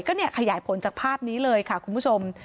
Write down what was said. ก็เนี่ยขยายผลจากภาพนี้เลยค่ะคุณผู้ชม